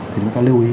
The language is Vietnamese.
thì chúng ta lưu ý